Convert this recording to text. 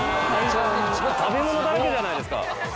食べ物だらけじゃないですか。